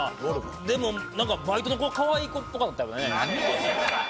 でもなんかバイトの子、かわいい子っぽかったよね。